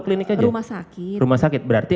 klinik aja rumah sakit rumah sakit berarti